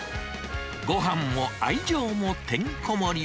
ごはんも愛情もてんこ盛り。